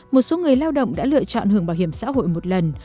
một số người lao động đã lựa chọn hưởng bảo hiểm xã hội một lần